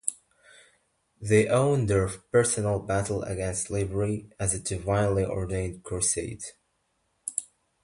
They often saw their personal battle against slavery as a divinely ordained crusade.